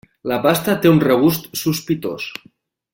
La pasta té un regust sospitós.